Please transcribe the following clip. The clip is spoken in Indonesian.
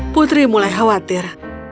putri mulai khawatir